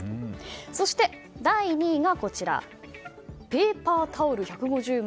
そして、第２位がペーパータオル１５０枚。